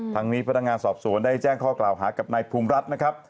ทางนี้พนักงานสอบสวนได้แจ้งข้อกล่าวหากับนายภูมิรัฐนะครับ